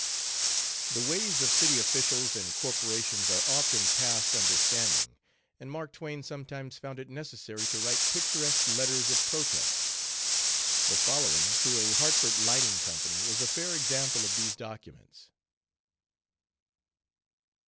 The ways of city officials and corporations are often past understanding, and Mark Twain sometimes found it necessary to write picturesque letters of protest. The following to a Hartford lighting company is a fair example of these documents.